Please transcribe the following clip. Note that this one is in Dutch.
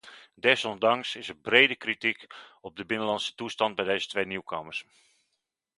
Desondanks is er brede kritiek op de binnenlandse toestand bij deze twee nieuwkomers.